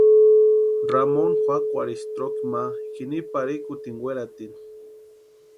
Ramoni juakwarhisti troki ma jini parhikutini weratini.